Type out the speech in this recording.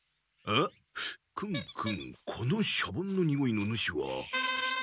クンクンこのシャボンのにおいの主は。